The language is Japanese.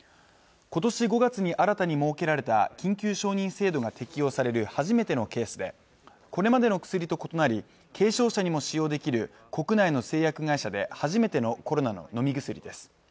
今年５月に新たに設けられた緊急承認制度が適用される初めてのケースでこれまでの薬と異なり軽症者にも使用できる国内の製薬会社で初めてのコロナの飲み薬です